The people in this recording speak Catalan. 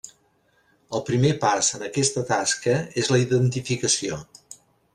El primer pas en aquesta tasca és la identificació.